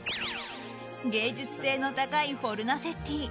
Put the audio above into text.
芸術性の高いフォルナセッティ。